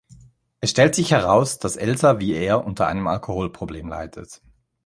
Es stellt sich heraus, dass Elsa wie er unter einem Alkoholproblem leidet.